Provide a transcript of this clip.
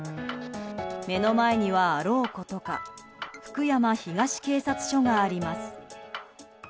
目の前には、あろうことか福山東警察署があります。